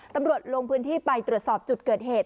ลงพื้นที่ไปตรวจสอบจุดเกิดเหตุ